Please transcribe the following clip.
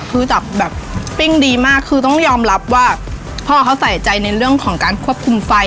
คือจับแบบปิ้งดีมากคือต้องยอมรับว่าพ่อเขาใส่ใจในเรื่องของการควบคุมไฟ